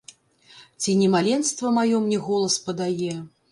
Ці не маленства маё мне голас падае?